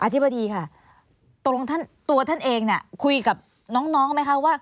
ธิบดีค่ะตกลงตัวท่านเองเนี่ยคุยกับน้องไหมคะว่า